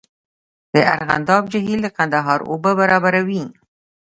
د ارغنداب جهیل د کندهار اوبه برابروي